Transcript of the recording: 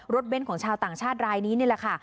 เน้นของชาวต่างชาติรายนี้นี่แหละค่ะ